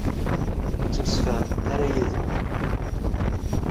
Ur ttemsefhament ara yid-m?